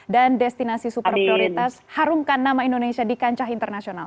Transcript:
dan destinasi super prioritas harumkan nama indonesia di kancah internasional